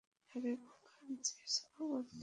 আরে বুকান, চিপস খাওয়া বন্ধ করো।